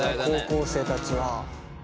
高校生たちは。